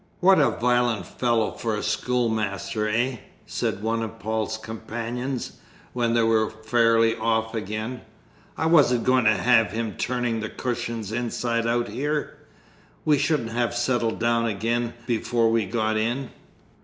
"What a violent fellow for a schoolmaster, eh?" said one of Paul's companions, when they were fairly off again. "I wasn't going to have him turning the cushions inside out here; we shouldn't have settled down again before we got in!"